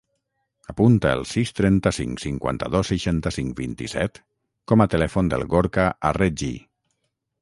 Apunta el sis, trenta-cinc, cinquanta-dos, seixanta-cinc, vint-i-set com a telèfon del Gorka Arregi.